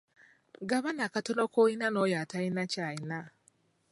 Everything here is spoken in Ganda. Gabana akatono k'olina n'oyo atalina ky'alina.